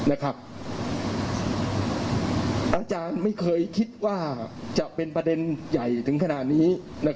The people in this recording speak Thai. อาจารย์ไม่เคยคิดว่าจะเป็นประเด็นใหญ่ถึงขนาดนี้